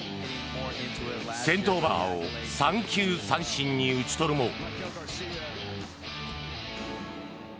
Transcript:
先頭バッターを三球三振に打ち取るも。